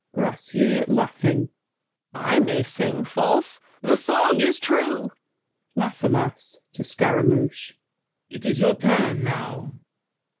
GRACIEUX. I may sing false—the song is true! LAFFEMAS (to Scaramouche). It's your turn now.